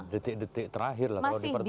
detik detik terakhir lah kalau dipersiapkan itu